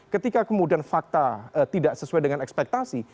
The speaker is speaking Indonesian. ketika kemudian fakta tidak sesuai dengan ekspektasi